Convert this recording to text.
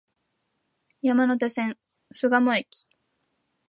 山手線、巣鴨駅